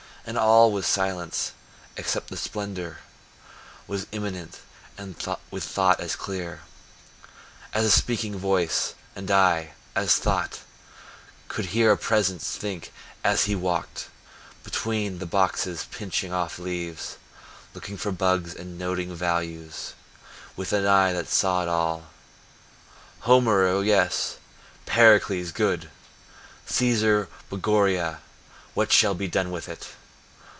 And all was silence, except the splendor Was immanent with thought as clear As a speaking voice, and I, as thought, Could hear a Presence think as he walked Between the boxes pinching off leaves, Looking for bugs and noting values, With an eye that saw it all: "Homer, oh yes! Pericles, good. Caesar Borgia, what shall be done with it?